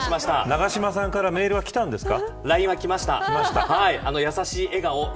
永島さんからメールが来たんですか。